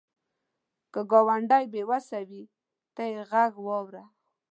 که ګاونډی بې وسه وي، ته یې غږ واوره